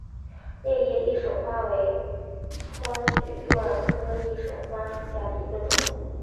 裂叶翼首花为川续断科翼首花属下的一个种。